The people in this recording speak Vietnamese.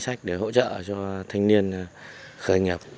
sách để hỗ trợ cho thanh niên khởi nghiệp